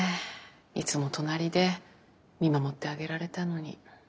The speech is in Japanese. いつも隣で見守ってあげられたのに。